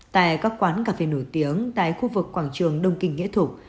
tại các quán cà phê nổi tiếng tại khu vực quảng trường đông kinh nghĩa thục